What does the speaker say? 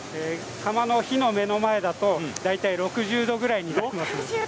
釜の火の前だと大体６０度ぐらいになります。